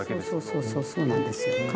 そうそうそうそうなんですよ。